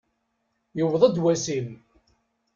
Yewweḍ-d wass-im!